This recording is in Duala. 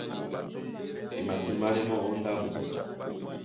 E matimbánɛ́ mɔ́ ó ndáɓo.